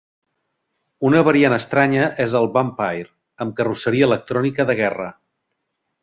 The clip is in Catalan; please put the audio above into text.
Una variant estranya és el Vampire amb carrosseria electrònica de guerra.